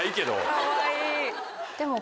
かわいい。